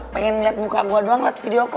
pengen liat muka gua doang liat video gua